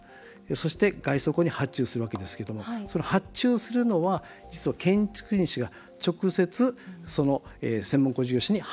そして、外装工に発注するわけですけどもその発注するのは、実は建築主が直接、専門工事業者に発注すると。